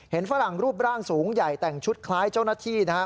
ฝรั่งรูปร่างสูงใหญ่แต่งชุดคล้ายเจ้าหน้าที่นะครับ